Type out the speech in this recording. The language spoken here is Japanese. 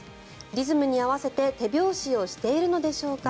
リズムに合わせて手拍子をしているのでしょうか。